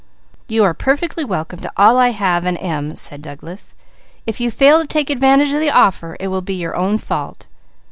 "You are perfectly welcome to all I have and am," said Douglas. "If you fail to take advantage of the offer, it will be your own fault."